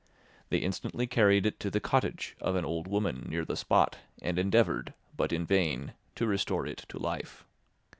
They instantly carried it to the cottage of an old woman near the spot and endeavoured, but in vain, to restore it to life.